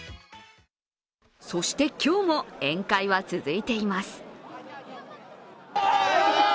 そして今日も、宴会は続いています